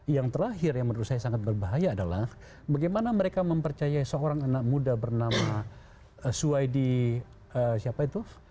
yang terakhir yang menurut saya sangat berbahaya adalah bagaimana mereka mempercayai seorang anak muda bernama suwaidi siapa itu